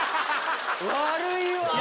悪いわ！